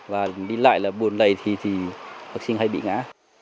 và đi lại là buồn lầy thì học sinh hay bị ngã